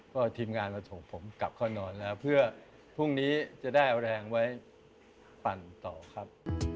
ก็ทีมงานมาส่งผมกลับเข้านอนแล้วเพื่อพรุ่งนี้จะได้แรงไว้ปั่นต่อครับ